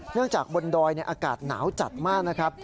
จากบนดอยอากาศหนาวจัดมากนะครับ